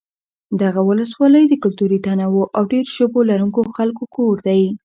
دغه ولسوالۍ د کلتوري تنوع او ډېر ژبو لرونکو خلکو کور دی.